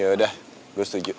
yaudah gua setuju